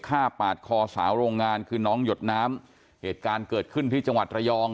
ปาดคอสาวโรงงานคือน้องหยดน้ำเหตุการณ์เกิดขึ้นที่จังหวัดระยอง